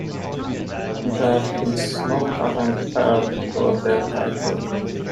There is no current heir to the title.